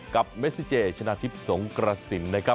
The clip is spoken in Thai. เมซิเจชนะทิพย์สงกระสินนะครับ